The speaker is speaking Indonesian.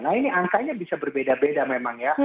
nah ini angkanya bisa berbeda beda memang ya